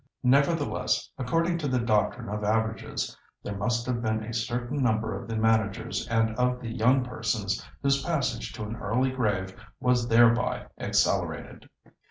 Nevertheless, according to the doctrine of averages, there must have been a certain number of the managers and of the young persons whose passage to an early grave was thereby accelerated.